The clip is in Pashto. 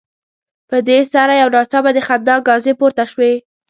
په دې سره یو ناڅاپه د خندا انګازې پورته شوې.